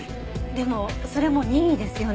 でもそれも任意ですよね？